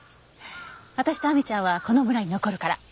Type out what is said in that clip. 私と亜美ちゃんはこの村に残るから。